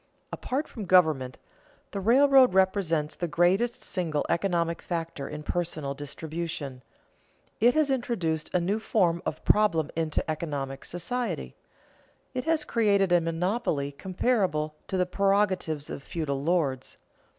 Apart from government, the railroad represents the greatest single economic factor in personal distribution. It has introduced a new form of problem into economic society. It has created a monopoly comparable to the prerogatives of feudal lords.